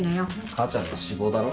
母ちゃんのは脂肪だろ。